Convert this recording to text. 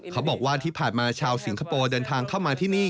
เขาบอกว่าที่ผ่านมาชาวสิงคโปร์เดินทางเข้ามาที่นี่